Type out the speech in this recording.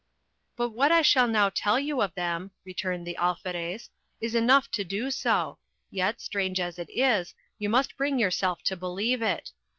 But what I shall now tell you of them, returned the Alferez, is enough to do so; yet, strange as it is, you must bring yourself to believe it.